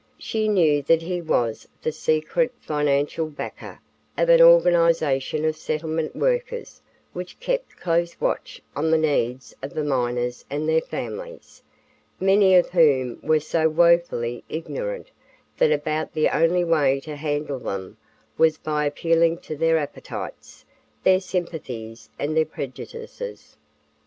She knew that he was the secret financial backer of an organization of settlement workers which kept close watch on the needs of the miners and their families, many of whom were so woefully ignorant that about the only way to handle them was by appealing to their appetites, their sympathies and their prejudices.